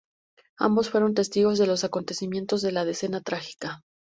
Ambos fueron testigos de los acontecimientos de la Decena Trágica.